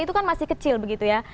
itu kan masih kecil begitu ya